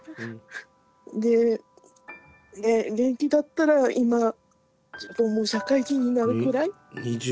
で元気だったら今ちょうどもう社会人になるくらい？